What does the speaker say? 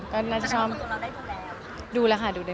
ต้องเต้นไม๊ค่ะว่าจะอยู่ช่วงหนึ่ง